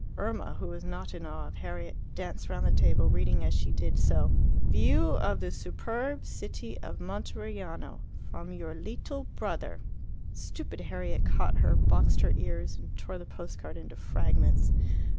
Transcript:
Irma, who was not in awe of Harriet, danced round the table, reading as she did so, "View of the superb city of Monteriano from your lital brother." Stupid Harriet caught her, boxed her ears, and tore the post card into fragments.